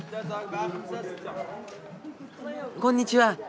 こんにちは。